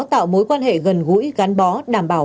tạo mối quan hệ gần gũi gắn bó đảm bảo